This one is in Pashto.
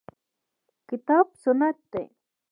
کتاب سنت دي.